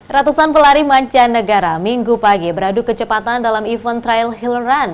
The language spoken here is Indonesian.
ratusan pelari mancanegara minggu pagi beradu kecepatan dalam event trial hillar run